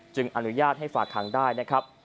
จึงอนุญาตให้ฝากค้างได้นะครับ